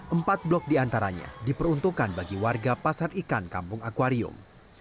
empat blok di antaranya diperuntukkan bagi warga pasar ikan kampung akwarium